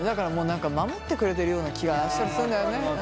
何か守ってくれてるような気がするんだよね。